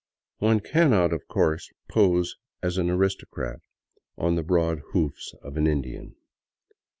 One cannot, of course, pose as an aristocrat on the broad hoofs of an Indian.